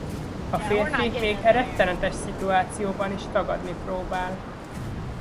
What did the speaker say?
A férfi még e rettenetes szituációban is tagadni próbál.